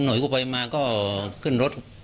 หน่วยกูไปมาก็ขึ้นรถ